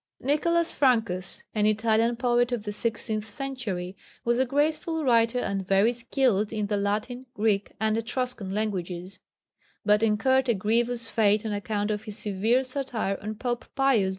Nicholas Francus, an Italian poet of the sixteenth century, was a graceful writer and very skilled in the Latin, Greek, and Etruscan languages, but incurred a grievous fate on account of his severe satire on Pope Pius IV.